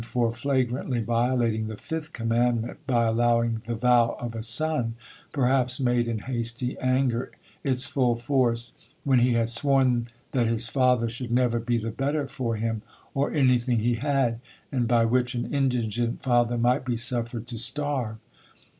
for flagrantly violating the fifth commandment, by allowing the vow of a son, perhaps made in hasty anger, its full force, when he had sworn that his father should never be the better for him, or anything he had, and by which an indigent father might be suffered to starve.